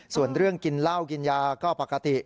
ส่วนเรื่องกินเหล้ากินยาก็ปกติ